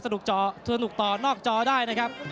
สนุกต่อนอกจอได้นะครับ